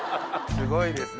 すごいですね